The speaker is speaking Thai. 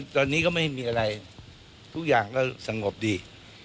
ตอนนี้ก็ไม่มีอะไรทุกอย่างก็สงบดี